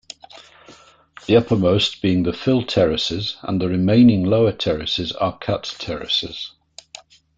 The uppermost being the fill terraces and the remaining lower terraces are cut terraces.